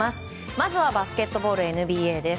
まずはバスケットボールＮＢＡです。